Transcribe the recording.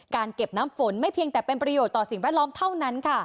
เก็บน้ำฝนไม่เพียงแต่เป็นประโยชน์ต่อสิ่งแวดล้อมเท่านั้น